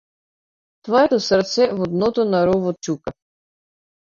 Твоето срце во дното на ровот чука.